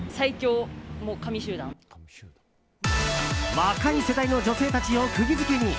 若い世代の女性たちをくぎ付けに！